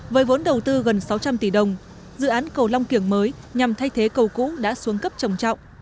với vốn đầu tư gần sáu trăm linh tỷ đồng dự án cầu long kiểng mới nhằm thay thế cầu cũ đã xuống cấp trồng trọng